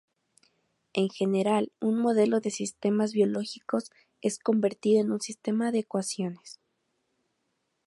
En general un modelo de sistemas biológicos es convertido en un sistema de ecuaciones.